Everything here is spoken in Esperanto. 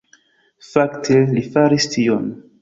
Fakte, li faris tion